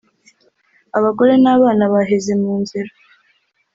abagore n’abana baheze mu nzira